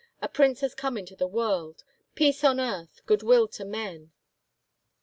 A prince has come into the world! Peace on earth, good will to men !